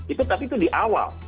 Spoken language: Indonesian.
itu tapi itu di awal